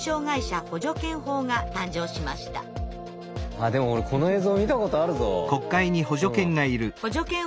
あっでも俺この映像見たことあるぞ。